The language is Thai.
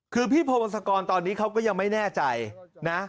คือพี่พวงศกรตอนนี้เขาก็ยังไม่แน่ใจนะ